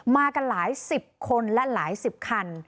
มากันหลายสิบคนและหลายสิบคัน